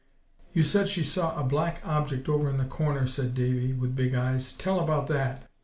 "You said she saw a black object over in the corner," said Davie, with big eyes; "tell about that."